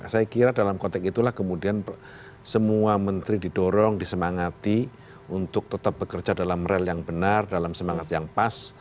saya kira dalam konteks itulah kemudian semua menteri didorong disemangati untuk tetap bekerja dalam rel yang benar dalam semangat yang pas